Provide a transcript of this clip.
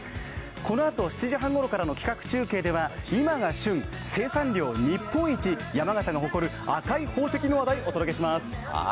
このあと７時半ごろからの規格中継では、今が旬、生産量日本一、山形が誇る赤い宝石の話題お届けします。